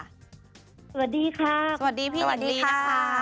สวัสดีค่ะสวัสดีพี่หญิงลีนะคะ